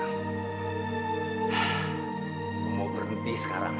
gue mau berhenti sekarang